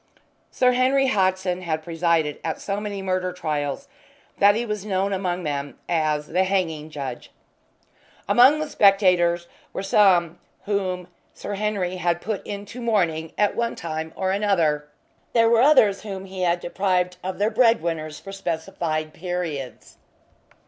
Sir Henry Hodson had presided at so many murder trials that he was known among them as "the Hanging Judge." Among the spectators were some whom Sir Henry had put into mourning at one time or another; there were others whom he had deprived of their bread winners for specified periods.